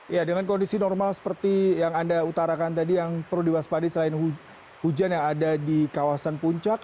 ya dengan kondisi normal seperti yang anda utarakan tadi yang perlu diwaspadi selain hujan yang ada di kawasan puncak